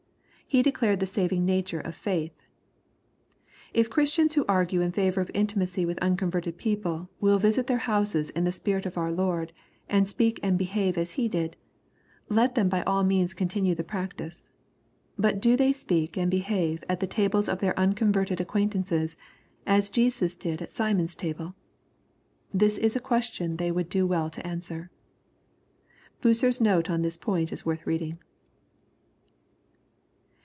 He declared tlie saving nature of faith. If Christians who argue in favor of intimacy with unconverted people, will visit their houses in the spirit of our Lord, and speak and behave as He did, let them by all means continue the practice. But do they apeak and behave at the tables of their unconverted acquaint ances, as Jesus did at Simon's table? This is a question thej would do well to answer. Buc^r's note on this point is worth reading.